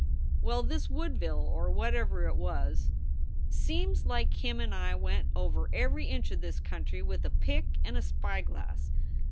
"Well, this Woodville, or whatever it was, seems like him and I went over every inch of this country with a pick and a spyglass.